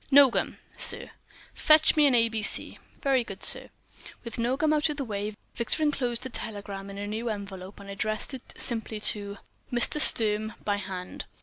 "Nogam!" "Sir?" "Fetch me an A B C." "Very good, sir." With Nogam out of the way, Victor enclosed the telegram in a new envelope and addressed it simply to _"Mr. Sturm—by hand."